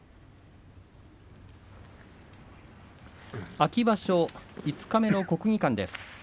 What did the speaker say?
秋場所五日目の国技館です。